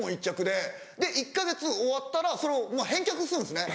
で１か月終わったらそれを返却するんですね。